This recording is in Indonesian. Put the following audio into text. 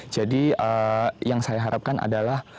jadi yang saya harapkan adalah